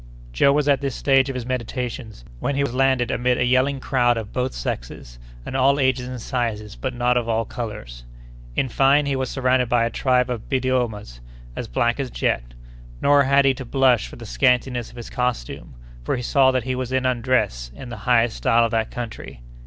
Joe was at this stage of his meditations, when he was landed amid a yelling crowd of both sexes, and all ages and sizes, but not of all colors. In fine, he was surrounded by a tribe of Biddiomahs as black as jet. Nor had he to blush for the scantiness of his costume, for he saw that he was in "undress" in the highest style of that country.